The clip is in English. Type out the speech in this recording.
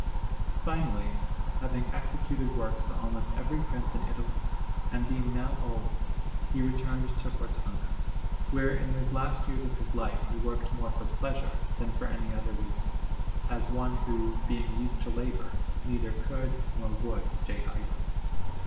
Orvieto: Duomo_) Anderson] Finally, having executed works for almost every Prince in Italy, and being now old, he returned to Cortona, where, in those last years of his life, he worked more for pleasure than for any other reason, as one who, being used to labour, neither could nor would stay idle.